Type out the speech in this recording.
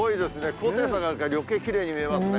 高低差があるから、よけいきれいに見えますね。